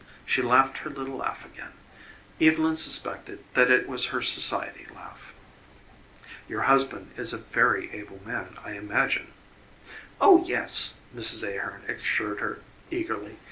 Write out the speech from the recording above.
She laughed her little laugh again; Evylyn suspected that it was her society laugh. "Your husband is a very able man, I imagine." "Oh, yes," Mrs. Ahearn assured her eagerly.